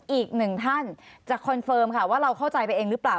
อีกหนึ่งท่านจะคอนเฟิร์มค่ะว่าเราเข้าใจไปเองหรือเปล่า